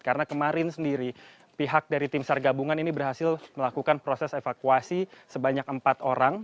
karena kemarin sendiri pihak dari tim sargabungan ini berhasil melakukan proses evakuasi sebanyak empat orang